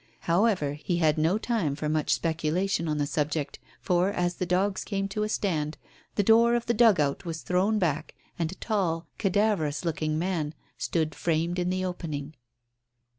However, he had no time for much speculation on the subject, for, as the dogs came to a stand, the door of the dugout was thrown back and a tall, cadaverous looking man stood framed in the opening.